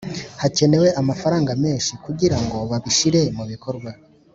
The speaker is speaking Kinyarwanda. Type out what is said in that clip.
Hakenewe amafaranga menshi kugira ngo babishire mu bikorwa